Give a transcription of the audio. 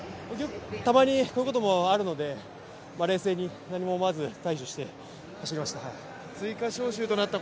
たまにこういうこともあるので、冷静に何も思わず対処して走りました。